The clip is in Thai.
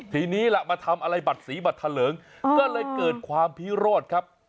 ทีนี้ล่ะมาทำอะไรบัตรสีบัตรทะเลิงก็เลยเกิดความพิโรธครับ